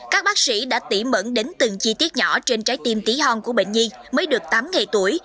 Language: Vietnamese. các bác sĩ đã tỉ mẫn đến từng chi tiết nhỏ trên trái tim tí hon của bệnh nhi mới được tám ngày tuổi